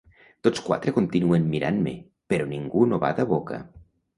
Tots quatre continuen mirant-me, però ningú no bada boca.